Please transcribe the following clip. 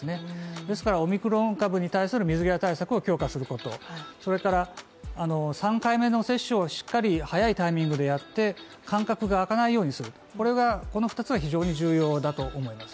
ですからオミクロン株に対する水際対策を強化すること、それから、３回目の接種をしっかり早いタイミングでやって、間隔が空かないようにすると、この二つは非常に重要だと思います。